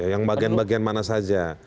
yang bagian bagian mana saja